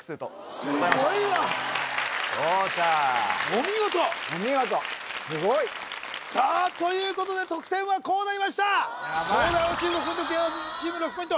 すごいわお見事お見事すごいさあということで得点はこうなりました東大王チーム６ポイント